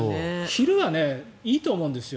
昼はいいと思うんですよ。